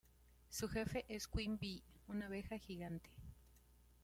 Su jefe es Queen Bee, una abeja gigante.